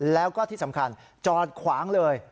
แล้วก็ที่สำคัญจอดขวางเลย